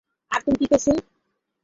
আর তুমি কী করছো?